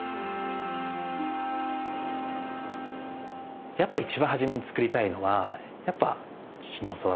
やっぱ一番初めに作りたいのはやっぱ父に教わった桜の桜色。